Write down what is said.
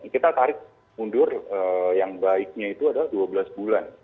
kita tarik mundur yang baiknya itu adalah dua belas bulan